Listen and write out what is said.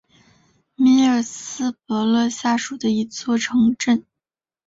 米尔斯伯勒下属的一座城镇。